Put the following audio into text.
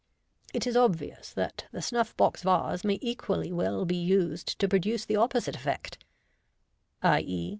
It is obvious that the snuff box vase may equally well be used to produce the opposite effect — i.e.